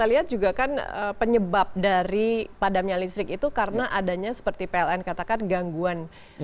kita lihat juga kan penyebab dari padamnya listrik itu karena adanya seperti pln katakan gangguan